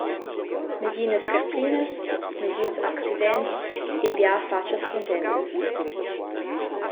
Neginas carplinas, negins accidents e bia fatschas cuntentas.